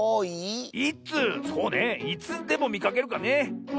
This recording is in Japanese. そうねいつでもみかけるかね。